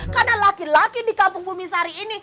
karena laki laki di kampung bumi sari ini